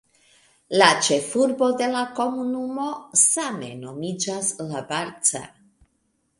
La ĉefurbo de la komunumo same nomiĝas "La Barca".